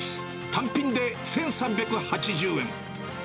単品で１３８０円。